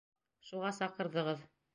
Шуға саҡырҙығыҙ.